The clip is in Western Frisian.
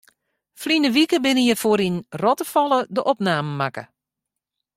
Ferline wike binne hjirfoar yn Rottefalle de opnamen makke.